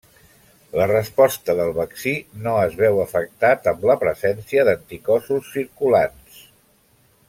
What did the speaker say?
La resposta del vaccí no es veu afectat amb la presència d'anticossos circulants.